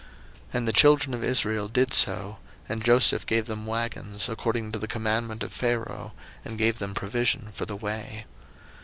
01:045:021 And the children of Israel did so: and Joseph gave them wagons, according to the commandment of Pharaoh, and gave them provision for the way.